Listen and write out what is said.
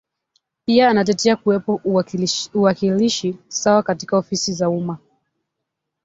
Pia anatetea kuwepo uwakilishi sawa katika ofisi za umma